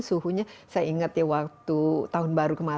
suhunya saya ingat ya waktu tahun baru kemarin